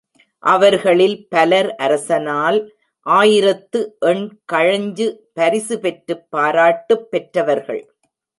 அவர்களில் பலர் அரசனால் ஆயிரத்து எண் கழஞ்சு பரிசு பெற்றுப் பாராட்டுப் பெற்றவர்கள்.